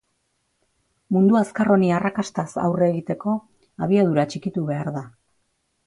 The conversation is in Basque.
Mundu azkar honi arrakastaz aurre egiteko, abiadura txikitu behar da.